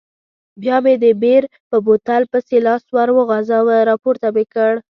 بیا مې د بیر په بوتل پسې لاس وروغځاوه، راپورته مې کړ.